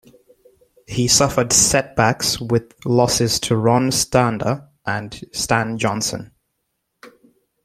He suffered setbacks with losses to Ron Stander and Stan Johnson.